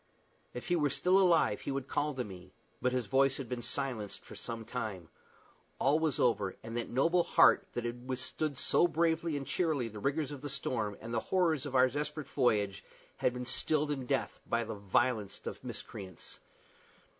If he were still alive he would call to me; but his voice had been silenced for some time. All was over, and that noble heart that had withstood so bravely and cheerily the rigors of the storm, and the horrors of our desperate voyage, had been stilled in death by the vilest of miscreants.